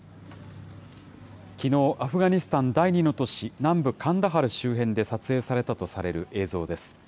きのう、アフガニスタン第２の都市、南部カンダハル周辺で撮影されたとされる映像です。